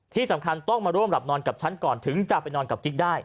ที่สำคัญต้องมาร่วมหลับนอนกับฉันก่อนถึงจะไปนอนกับกิ๊กได้